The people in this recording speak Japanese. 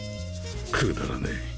くだらねえ。